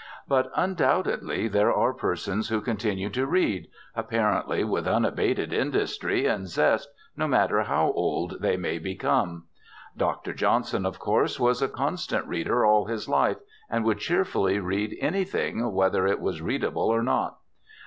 But, undoubtedly there are persons who continue to read, apparently with unabated industry and zest, no matter how old they may become. Dr. Johnson, of course, was a constant reader all his life, and would cheerfully read anything whether it was readable or not.